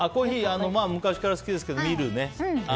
昔から好きですけどミルね。